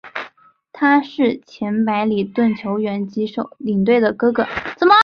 他是前白礼顿球员及领队的哥哥。